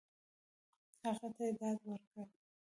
هغه ته یې ډاډ ورکړ !